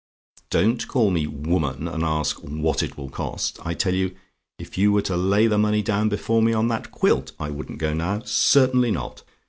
Don't call me 'woman,' and ask 'what it will cost.' I tell you, if you were to lay the money down before me on that quilt, I wouldn't go now certainly not.